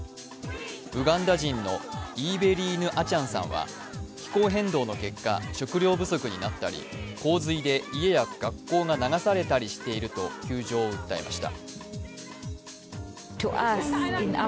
ウガンダ人のイーベリーヌ・アチャンさんは気候変動の結果、食糧不足になったり洪水で家や学校が流されたりしていると窮状を訴えました。